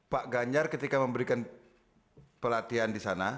pak ganjar ketika memberikan pelatihan di sana